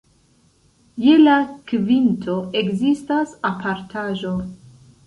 Je la kvinto ekzistas apartaĵo.